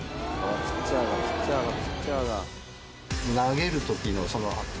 ピッチャーだピッチャーだピッチャーだ。